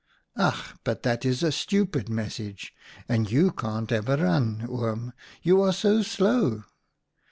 '"' Ach, but that is a stupid message. And you can't ever run, Oom, you are so slow.